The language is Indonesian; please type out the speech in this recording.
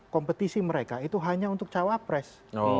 kompetisi mereka itu hanya untuk cawapres